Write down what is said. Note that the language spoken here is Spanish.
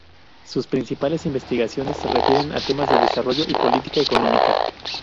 Sus principales investigaciones se refieren a temas de desarrollo y política económica.